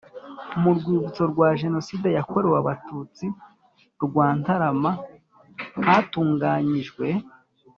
Mu rwibutso rwa Jenoside yakorewe Abatutsi rwa Ntarama hatunganyijwe